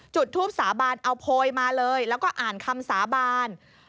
จุดทูปสาบานเอาโพยมาเลยแล้วก็อ่านคำสาบาน